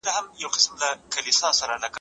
شپږ تر اوو لږ دي.